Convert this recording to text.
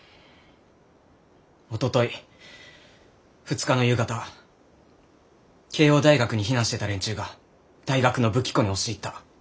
おととい２日の夕方慶應大学に避難してた連中が大学の武器庫に押し入った。